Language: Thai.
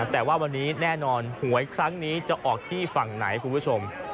แต่ว่าวันนี้แน่นอนหวยครั้งนี้จะออกที่ฝั่งไหนคุณผู้ชม